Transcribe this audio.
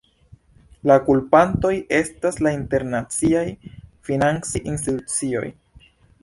La kulpantoj estas la internaciaj financaj institucioj.